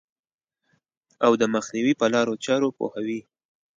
او د مخنیوي په لارو چارو پوهوي.